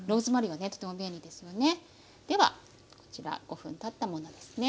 ではこちら５分たったものですね。